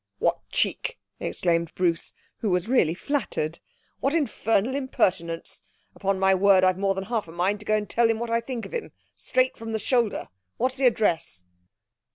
'What cheek!' exclaimed Bruce, who was really flattered. 'What infernal impertinence. Upon my word I've more than half a mind to go and tell him what I think of him straight from the shoulder. What's the address?'